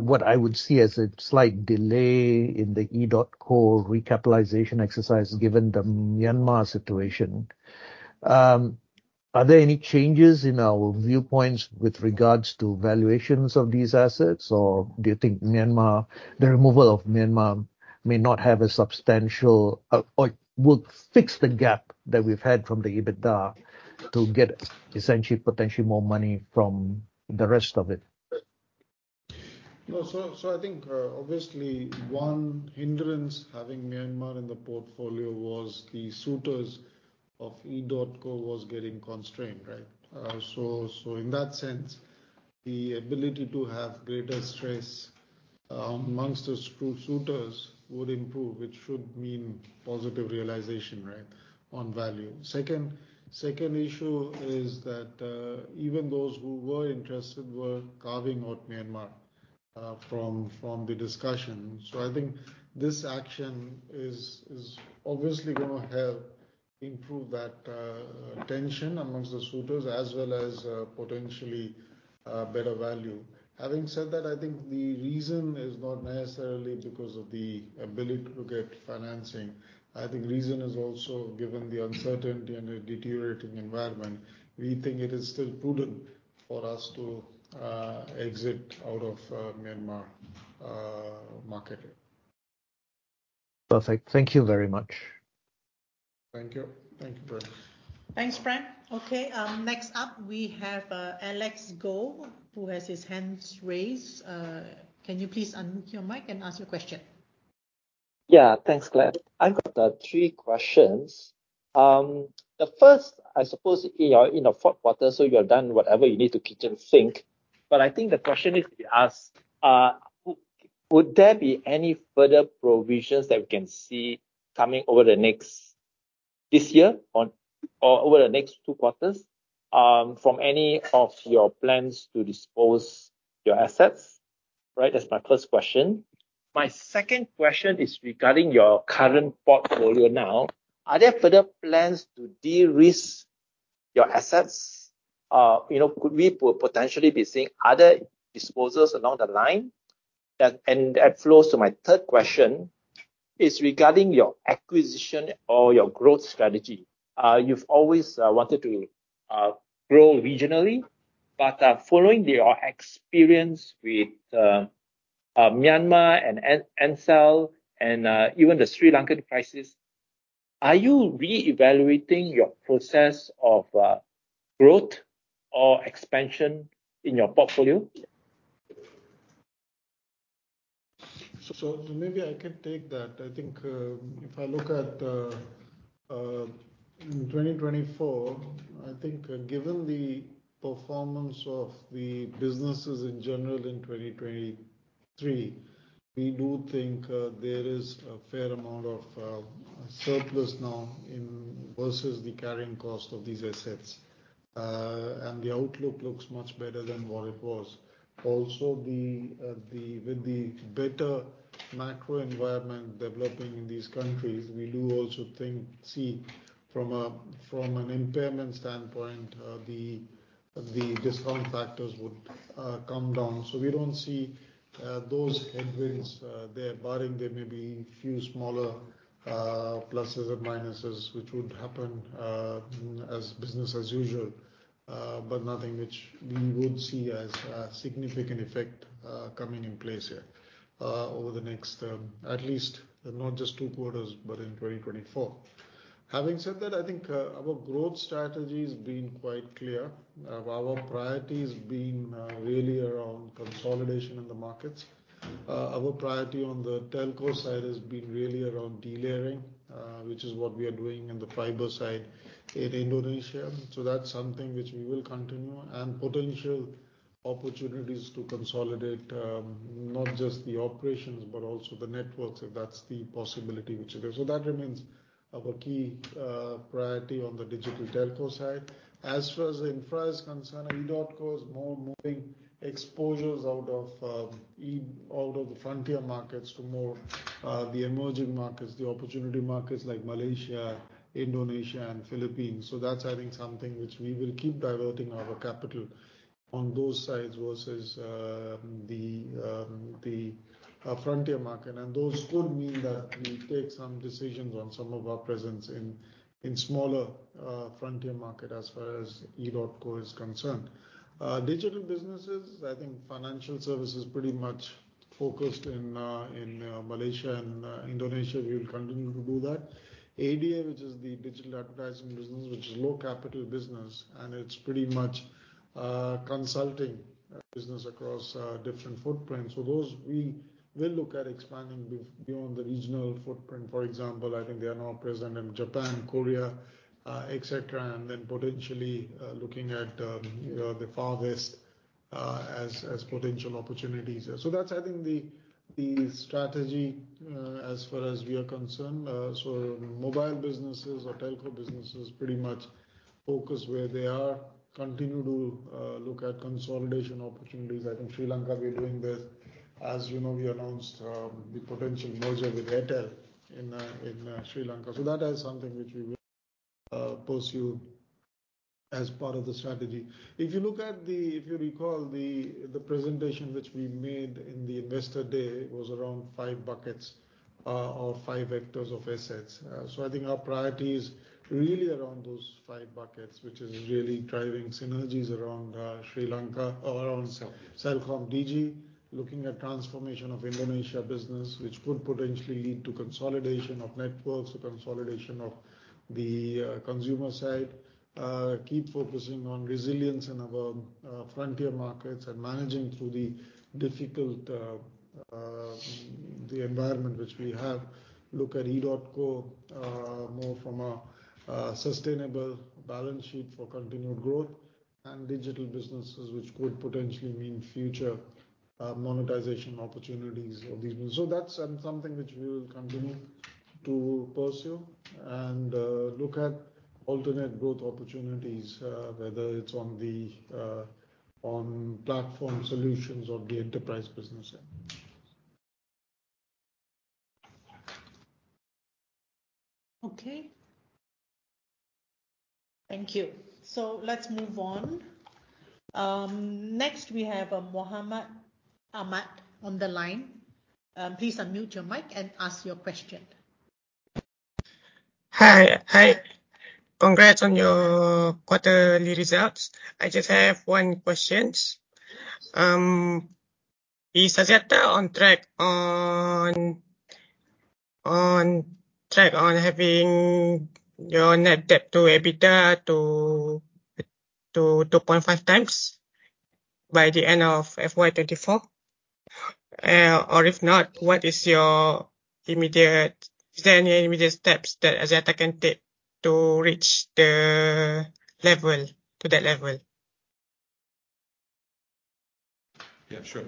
what I would see as a slight delay in the EDOTCO recapitalization exercise given the Myanmar situation, are there any changes in our viewpoints with regards to valuations of these assets, or do you think the removal of Myanmar may not have a substantial or it will fix the gap that we've had from the EBITDA to get essentially potentially more money from the rest of it? No. So I think, obviously, one hindrance having Myanmar in the portfolio was the suitors of EDOTCO was getting constrained, right? So, in that sense, the ability to have greater stress amongst the suitors would improve, which should mean positive realization, right, on value. Second issue is that, even those who were interested were carving out Myanmar from the discussion. So I think this action is obviously gonna help improve that tension amongst the suitors as well as, potentially, better value. Having said that, I think the reason is not necessarily because of the ability to get financing. I think reason is also given the uncertainty and the deteriorating environment, we think it is still prudent for us to exit out of Myanmar market here. Perfect. Thank you very much. Thank you. Thank you, Prem. Thanks, Prem. Okay. Next up, we have Alex Goh, who has his hands raised. Can you please unmute your mic and ask your question? Yeah. Thanks, Clare. I've got three questions. The first, I suppose, you are in the fourth quarter, so you have done whatever you need to kitchen sink. But I think the question is to be asked, would there be any further provisions that we can see coming over the next this year on or over the next two quarters, from any of your plans to dispose your assets, right? That's my first question. My second question is regarding your current portfolio now. Are there further plans to de-risk your assets? You know, could we potentially be seeing other disposals along the line? And that flows to my third question is regarding your acquisition or your growth strategy. You've always wanted to grow regionally. But, following your experience with Myanmar and Ncell and even the Sri Lankan crisis, are you reevaluating your process of growth or expansion in your portfolio? So maybe I can take that. I think if I look at in 2024, I think, given the performance of the businesses in general in 2023, we do think there is a fair amount of surplus now in versus the carrying cost of these assets. And the outlook looks much better than what it was. Also, with the better macro environment developing in these countries, we do also think see from an impairment standpoint, the discount factors would come down. So we don't see those headwinds there, barring there may be few smaller pluses and minuses, which would happen as business as usual, but nothing which we would see as a significant effect coming in place here over the next, at least not just two quarters, but in 2024. Having said that, I think our growth strategy's been quite clear. Our priority's been really around consolidation in the markets. Our priority on the telco side has been really around delayering, which is what we are doing in the fiber side in Indonesia. So that's something which we will continue and potential opportunities to consolidate, not just the operations but also the networks, if that's the possibility which is there. So that remains our key priority on the digital telco side. As far as infra is concerned, EDOTCO is more moving exposures out of the frontier markets to more the emerging markets, the opportunity markets like Malaysia, Indonesia, and Philippines. So that's, I think, something which we will keep diverting our capital on those sides versus the frontier market. And those could mean that we take some decisions on some of our presence in smaller frontier market as far as EDOTCO is concerned. Digital businesses, I think financial service is pretty much focused in Malaysia and Indonesia. We will continue to do that. ADA, which is the digital advertising business, which is low-capital business, and it's pretty much consulting business across different footprints. So those we will look at expanding beyond the regional footprint. For example, I think they are now present in Japan, Korea, etc., and then potentially looking at, you know, the Far West as potential opportunities. So that's, I think, the strategy as far as we are concerned. So mobile businesses or telco businesses pretty much focus where they are, continue to look at consolidation opportunities. I think Sri Lanka, we're doing this. As you know, we announced the potential merger with Airtel in Sri Lanka. So that is something which we will pursue as part of the strategy. If you look at, if you recall, the presentation which we made in the Investor Day was around five buckets, or five hectares of assets. So I think our priority is really around those five buckets, which is really driving synergies around Sri Lanka or around CelcomDigi, looking at transformation of Indonesia business, which could potentially lead to consolidation of networks, a consolidation of the consumer side, keep focusing on resilience in our frontier markets and managing through the difficult environment which we have, look at EDOTCO more from a sustainable balance sheet for continued growth, and digital businesses, which could potentially mean future monetization opportunities of these businesses. So that's something which we will continue to pursue and look at alternate growth opportunities, whether it's on the on platform solutions or the enterprise business side. Okay. Thank you. So let's move on. Next, we have Mohamad Ahmed on the line. Please unmute your mic and ask your question. Hi. Hi. Congrats on your quarterly results. I just have one question. Is Axiata on track on having your net debt-to-EBITDA to 2.5x by the end of FY 2024? Or if not, is there any immediate steps that Axiata can take to reach the level to that level? Yeah. Sure.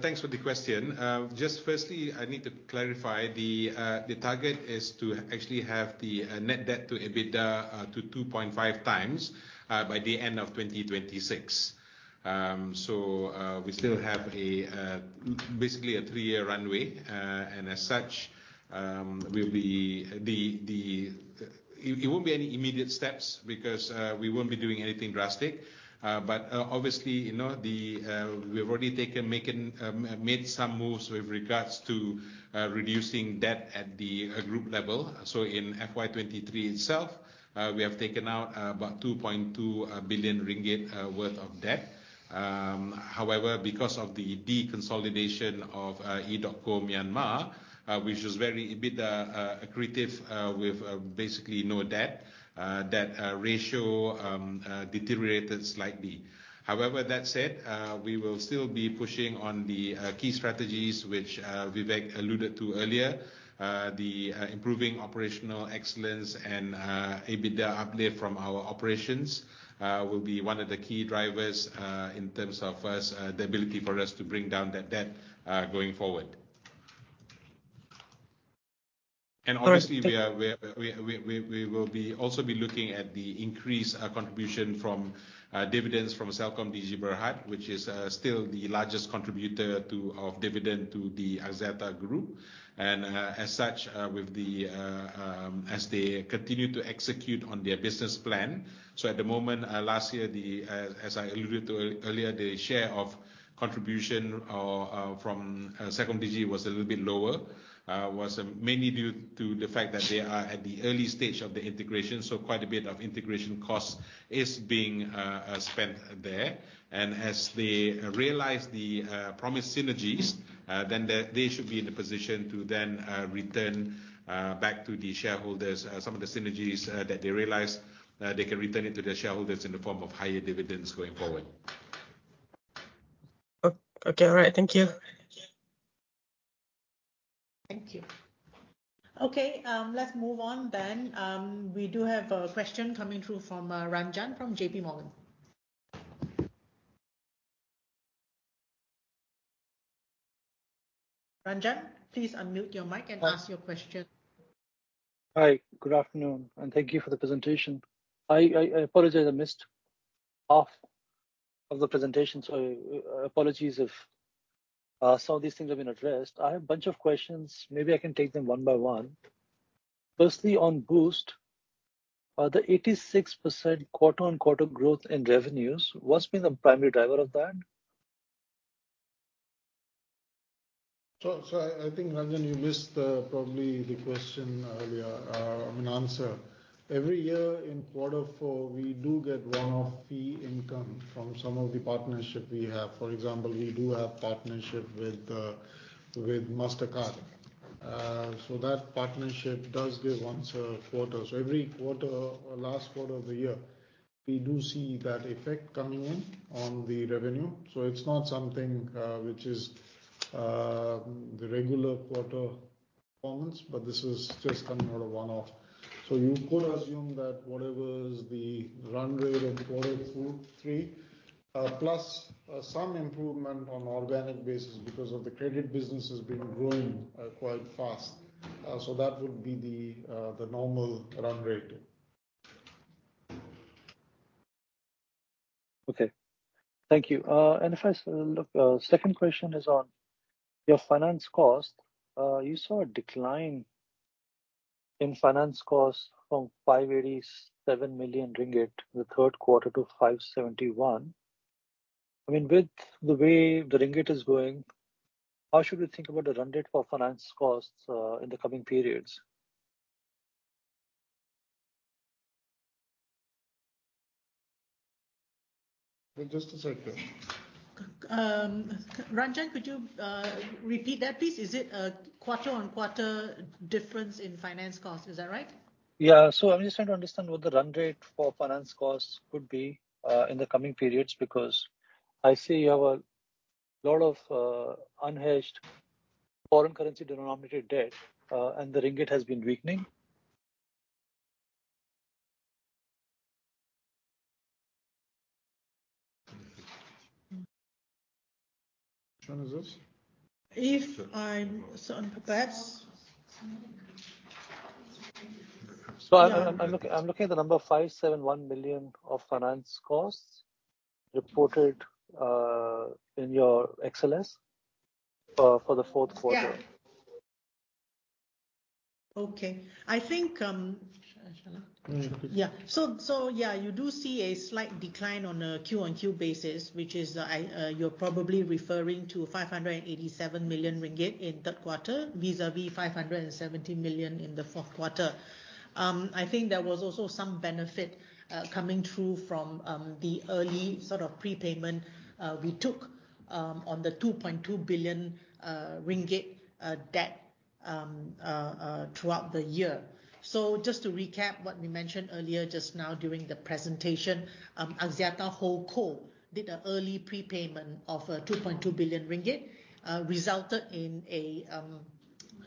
Thanks for the question. Just firstly, I need to clarify the target is to actually have the net debt-to-EBITDA to 2.5x by the end of 2026. So, we still have basically a three-year runway. And as such, we'll be. It won't be any immediate steps because we won't be doing anything drastic. But, obviously, you know, we've already made some moves with regards to reducing debt at the group level. So in FY 2023 itself, we have taken out about 2.2 billion ringgit worth of debt. However, because of the deconsolidation of EDOTCO Myanmar, which was very EBITDA accretive, with basically no debt, that ratio deteriorated slightly. However, that said, we will still be pushing on the key strategies which Vivek alluded to earlier. The improving operational excellence and EBITDA uplift from our operations will be one of the key drivers in terms of us the ability for us to bring down that debt going forward. And obviously we will also be looking at the increase in contribution from dividends from CelcomDigi Berhad, which is still the largest contributor to the dividend to the Axiata Group. As such, as they continue to execute on their business plan. So at the moment, last year, as I alluded to earlier, the share of contribution from CelcomDigi was a little bit lower, was mainly due to the fact that they are at the early stage of the integration. So quite a bit of integration cost is being spent there. And as they realize the promised synergies, then they should be in the position to then return back to the shareholders some of the synergies that they realize. They can return it to their shareholders in the form of higher dividends going forward. Okay. All right. Thank you. Thank you. Okay. Let's move on then. We do have a question coming through from Ranjan from JPMorgan. Ranjan, please unmute your mic and ask your question. Hi. Good afternoon. Thank you for the presentation. I apologize. I missed half of the presentation. So apologies if some of these things have been addressed. I have a bunch of questions. Maybe I can take them one by one. Firstly, on Boost, the 86% quarter-on-quarter growth in revenues, what's been the primary driver of that? So, I think, Ranjan, you missed probably the question earlier, I mean, answer. Every year in quarter four, we do get one-off fee income from some of the partnership we have. For example, we do have partnership with Mastercard. So that partnership does give once a quarter. So every quarter, last quarter of the year, we do see that effect coming in on the revenue. So it's not something, which is the regular quarter performance, but this is just coming out of one-off. So you could assume that whatever is the run rate in quarter four, three, plus some improvement on organic basis because of the credit business has been growing quite fast. So that would be the normal run rate. Okay. Thank you. And if I look, second question is on your finance cost. You saw a decline in finance costs from 587 million ringgit the third quarter to 571 million. I mean, with the way the ringgit is going, how should we think about the run rate for finance costs in the coming periods? Just a second. Ranjan, could you repeat that, please? Is it a quarter-on-quarter difference in finance costs? Is that right? Yeah. So I'm just trying to understand what the run rate for finance costs could be in the coming periods because I see you have a lot of unhedged foreign currency denominated debt, and the ringgit has been weakening. Which one is this? If I'm so unprepared. So I'm looking at the number 571 million of finance costs reported in your XL's for the fourth quarter. Yeah. Okay. I think, Shall I? Mm-hmm. Yeah. So, so yeah, you do see a slight decline on a Q on Q basis, which is, I, you're probably referring to 587 million ringgit in third quarter vis-à-vis 570 million in the fourth quarter. I think there was also some benefit coming through from the early sort of prepayment we took on the 2.2 billion ringgit debt throughout the year. So just to recap what we mentioned earlier just now during the presentation, EDOTCO did an early prepayment of 2.2 billion ringgit, resulted in a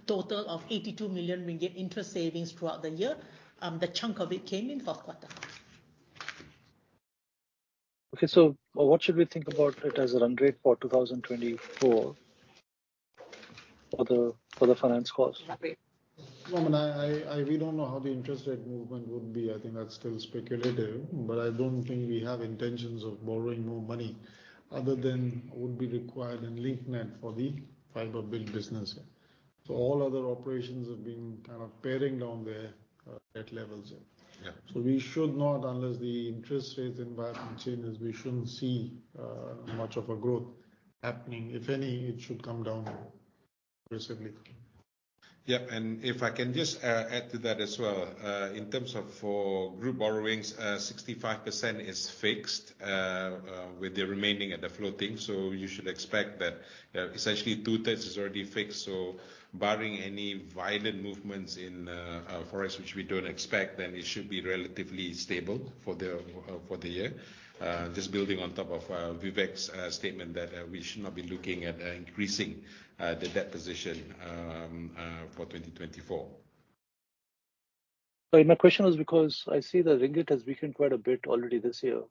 total of 82 million ringgit interest savings throughout the year. The chunk of it came in fourth quarter. Okay. So what should we think about it as a run rate for 2024 for the finance costs? Right. Well, I mean, we don't know how the interest rate movement would be. I think that's still speculative. But I don't think we have intentions of borrowing more money other than would be required in Link Net for the fiber build business. So all other operations have been kind of paring down their debt levels. Yeah. So we should not, unless the interest rates environment changes we shouldn't see much of a growth happening. If any, it should come down aggressively. Yeah. And if I can just add to that as well, in terms of group borrowings, 65% is fixed, with the remaining at the floating. So you should expect that, essentially, 2/3 is already fixed. So barring any violent movements in forex, which we don't expect, then it should be relatively stable for the year, just building on top of Vivek's statement that we should not be looking at increasing the debt position for 2024. So my question was because I see the ringgit has weakened quite a bit already this year.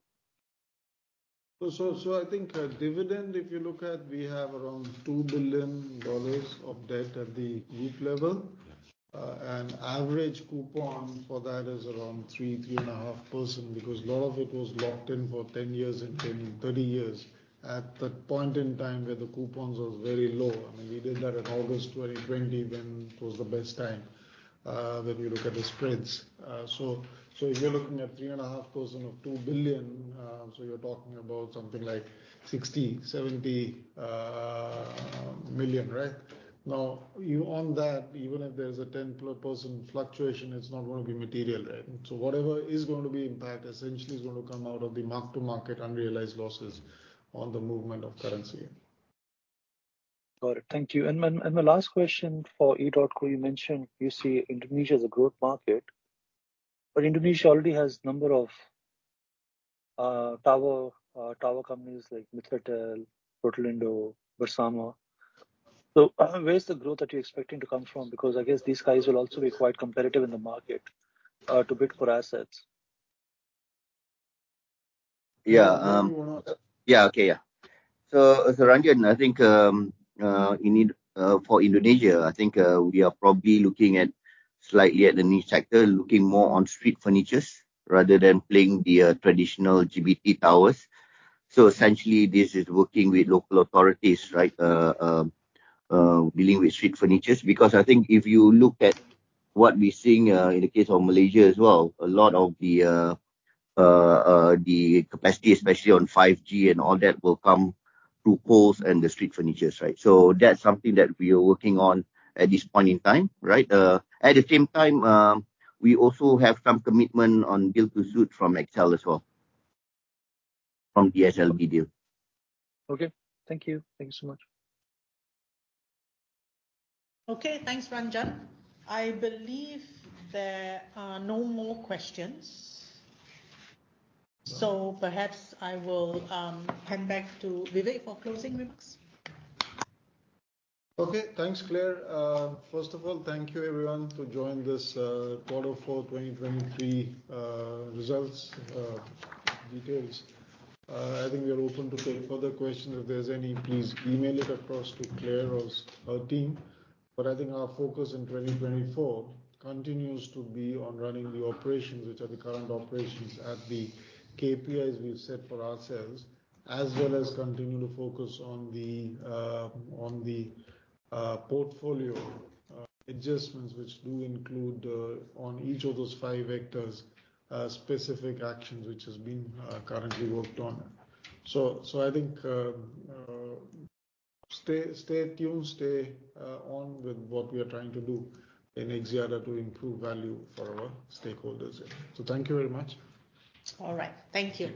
So, I think, dividend, if you look at, we have around $2 billion of debt at the group level. Yeah. Average coupon for that is around 3%-3.5% because a lot of it was locked in for 10 years and 10-30 years at the point in time where the coupons was very low. I mean, we did that in August 2020 when it was the best time, when you look at the spreads. so, so if you're looking at 3.5% of $2 billion, so you're talking about something like $60-$70 million, right? Now, you on that, even if there's a 10%+ fluctuation, it's not going to be material, right? So whatever is going to be impacted essentially is going to come out of the mark-to-market unrealized losses on the movement of currency. Got it. Thank you. And man, and my last question for EDOTCO, you mentioned you see Indonesia as a growth market. But Indonesia already has number of, tower, tower companies like Mitratel, Protelindo, Bersama. So, where's the growth that you're expecting to come from? Because I guess these guys will also be quite competitive in the market, to bid for assets. Yeah. Yeah. Okay. Yeah. So, Ranjan, I think you need for Indonesia, I think we are probably looking slightly into the new sector, looking more on street furniture rather than playing the traditional GBT towers. So essentially, this is working with local authorities, right, dealing with street furniture. Because I think if you look at what we're seeing, in the case of Malaysia as well, a lot of the capacity, especially on 5G and all that, will come through poles and the street furniture, right? So that's something that we are working on at this point in time, right? At the same time, we also have some commitment on build-to-suit from XL as well, from DNB deal. Okay. Thank you. Thank you so much. Okay. Thanks, Ranjan. I believe there are no more questions. So perhaps I will hand back to Vivek for closing remarks. Okay. Thanks, Clare. First of all, thank you, everyone, to join this quarter four 2023 results details. I think we are open to take further questions. If there's any, please email it across to Clare or her team. But I think our focus in 2024 continues to be on running the operations, which are the current operations at the KPIs we've set for ourselves, as well as continue to focus on the portfolio adjustments, which do include on each of those five vectors specific actions, which has been currently worked on. So I think stay tuned, stay on with what we are trying to do in Axiata to improve value for our stakeholders. So thank you very much. All right. Thank you.